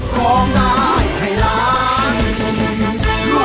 ขอบใจให้รัก